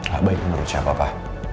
gak baik menurut siapa pak